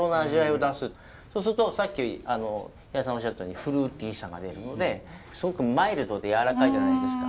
そうするとさっき平井さんおっしゃったようにフルーティーさが出るのですごくマイルドでやわらかいじゃないですか。